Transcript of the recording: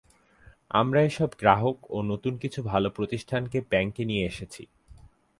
আমরা এসব গ্রাহক ও নতুন কিছু ভালো প্রতিষ্ঠানকে ব্যাংকে নিয়ে এসেছি।